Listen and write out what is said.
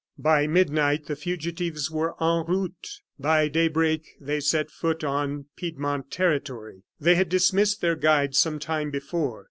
By midnight the fugitives were en route; by daybreak they set foot on Piedmont territory. They had dismissed their guide some time before.